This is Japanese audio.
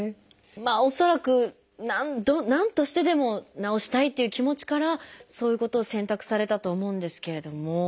まあ恐らくなんとしてでも治したいという気持ちからそういうことを選択されたと思うんですけれども。